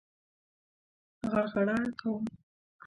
غرغړه کوم.